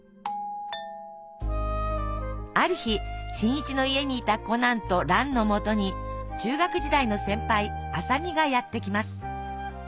ある日新一の家にいたコナンと蘭のもとに中学時代の先輩麻美がやって来ます。